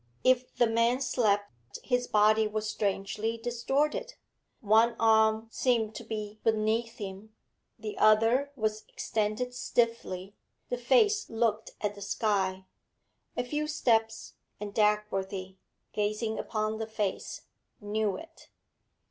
If the man slept, his body was strangely distorted; one arm seemed to be beneath him, the other was extended stiffly; the face looked at the sky. A few steps, and Dagworthy, gazing upon the face, knew it.